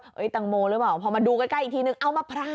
ตังโมหรือเปล่าพอมาดูใกล้อีกทีนึงเอามะพร้าว